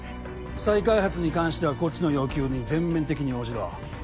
再開発に関してはこっちの要求に全面的に応じろ。